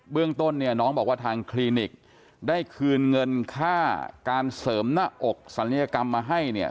เรื่องต้นเนี่ยน้องบอกว่าทางคลินิกได้คืนเงินค่าการเสริมหน้าอกศัลยกรรมมาให้เนี่ย